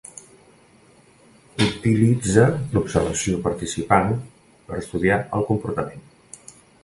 Utilitza l'observació participant per estudiar el comportament.